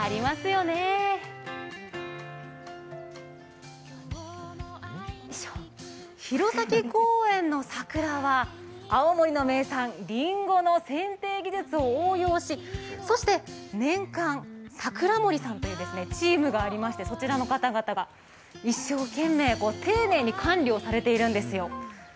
よいしょ、弘前公園の桜は青森の名産、りんごのせん定技術を応用しそして年間、桜守さんというチームがありまして、その方々が一生懸命、丁寧に管理をされているんですよ。